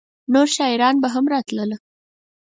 نور شاعران به هم راتله؟